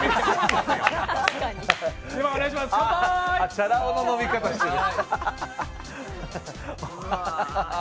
チャラ男の飲み方してる。